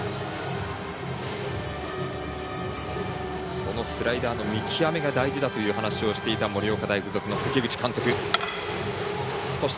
そのスライダーの見極めが大事だという話をしていた盛岡大付属の関口監督。